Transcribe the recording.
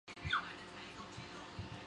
弱音节包括长弱音节和短弱音节。